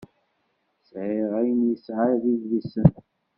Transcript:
Sɛiɣ ayen yesɛa d idlisen.